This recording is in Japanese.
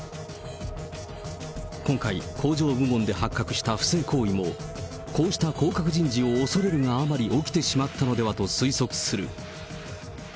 今回、工場部門で発覚した不正行為も、こうした降格人事を恐れるあまり起きてしまったのではと推測する。